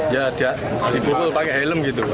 ya dibukul pakai helm gitu